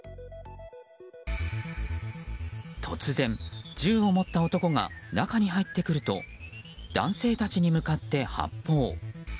突然、銃を持った男が中に入ってくると男性たちに向かって発砲。